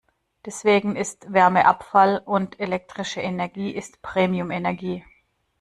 Deswegen ist Wärme Abfall und elektrische Energie ist Premium-Energie.